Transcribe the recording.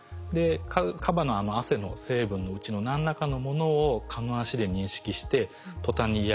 カバのあの汗の成分のうちの何らかのものを蚊の脚で認識してとたんに嫌がると。